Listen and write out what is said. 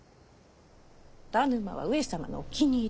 田沼は上様のお気に入り。